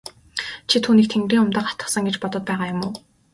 Чи түүнийг тэнгэрийн умдаг атгасан гэж бодоод байгаа юм уу?